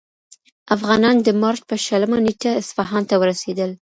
افغانان د مارچ په شلمه نېټه اصفهان ته ورسېدل.